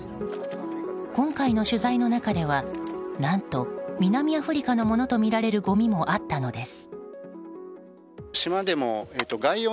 今回の取材の中では何と南アフリカのものとみられるごみもあったのです。